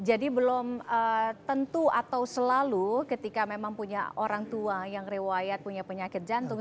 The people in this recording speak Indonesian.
jadi belum tentu atau selalu ketika memang punya orang tua yang riwayat punya penyakit jantung